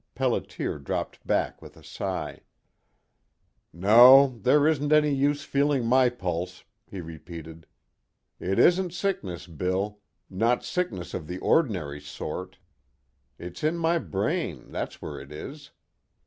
Pelliter dropped back with a sigh. "No there isn't any use feeling my pulse," he repeated. "It isn't sickness, Bill not sickness of the ordinary sort. It's in my brain that's where it is.